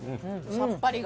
さっぱりが。